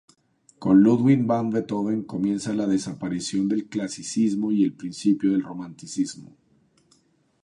Con Ludwig van Beethoven comienza la desaparición del clasicismo y el principio del romanticismo.